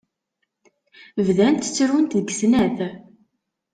Bdant ttrunt deg snat.